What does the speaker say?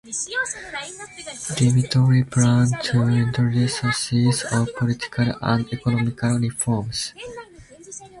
Dmitry planned to introduce a series of political and economical reforms.